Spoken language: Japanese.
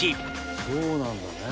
「そうなんだね」